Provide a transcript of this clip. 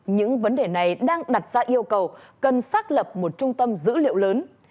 những vấn đề này đang đặt ra yêu cầu cần xác lập một trung tâm dữ liệu lớn